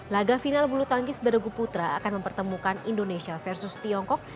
laga final bulu tangis baragu putra akan mempertemukan indonesia vs tiongkok